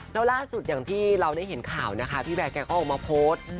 แล้วล่าสุดอย่างที่เราได้เห็นข่าวนะคะพี่แบร์แกก็ออกมาโพสต์